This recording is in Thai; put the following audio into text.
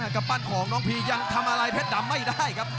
กำปั้นของน้องพียังทำอะไรเพชรดำไม่ได้ครับ